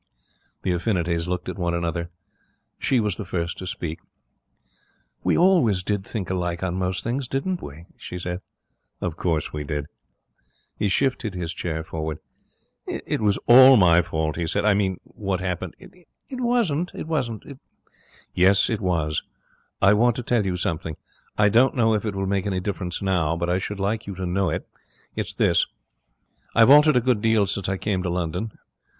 The affinities looked at one another. She was the first to speak. 'We always did think alike on most things, didn't we?' she said. 'Of course we did.' He shifted his chair forward. 'It was all my fault,' he said. 'I mean, what happened.' 'It wasn't. It ' 'Yes, it was. I want to tell you something. I don't know if it will make any difference now, but I should like you to know it. It's this. I've altered a good deal since I came to London.